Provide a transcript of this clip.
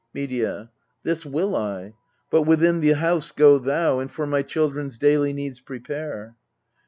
Medea. This will I : but within the house go thou, And for my children's daily needs prepare.